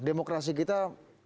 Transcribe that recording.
demokrasi kita gagal atau tidak